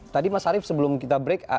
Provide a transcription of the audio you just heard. tadi mas arief sebelum kita break